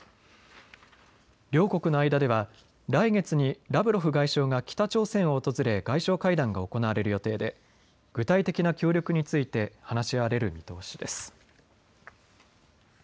両国の間では来月にラブロフ外相が北朝鮮を訪れ外相会談が行われる予定で具体的な協力について話し合われる見通しです。